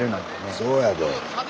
そうやで。